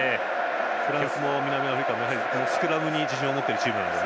フランスも南アフリカもスクラムに自信を持っているチームなので。